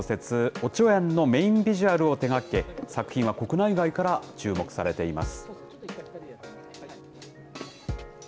おちょやんのメインビジュアルなどを手がけ作品は国内外から注目されています。